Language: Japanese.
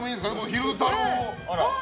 昼太郎。